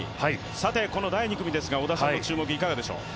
この第２組ですが織田さんの注目いかがでしょうか。